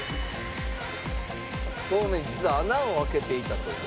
表面実は穴を開けていたという。